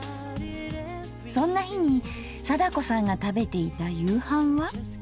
そんな日に貞子さんが食べていた夕飯は？